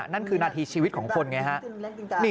นั่นคือนาทีชีวิตของคนไงฮะ